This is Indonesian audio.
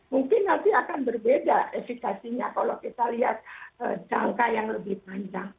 mungkin nanti akan berbeda efekasinya kalau kita lihat jangka yang lebih panjang